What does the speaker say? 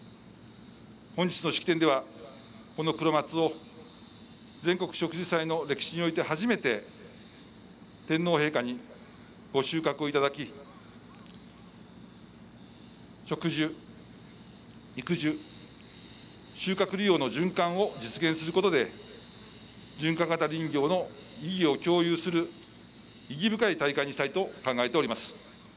本日の式典では、このクロマツを全国植樹祭の歴史において初めて天皇陛下に御収穫をいただき植樹、育樹、収穫・利用の循環を実現することで循環型林業の意義を共有する意義深い大会にしたいと考えております。